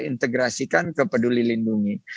integrasikan ke peduli lindungi